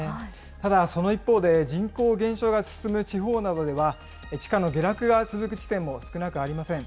ただその一方で、人口減少が進む地方などでは、地価の下落が続く地点も少なくありません。